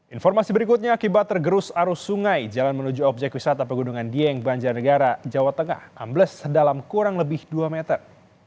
informasi berikutnya akibat tergerus arus sungai jalan menuju objek wisata pegunungan dieng banjarnegara jawa tengah ambles dalam kurang lebih dua meter